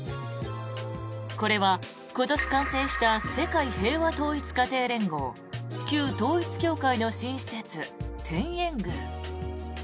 これは今年完成した世界平和統一家庭連合旧統一教会の新施設天苑宮。